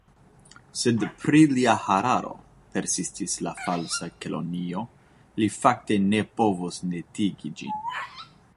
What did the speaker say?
« Sed pri lia hararo," persistis la Falsa Kelonio, "li fakte ne povus netigi ĝin."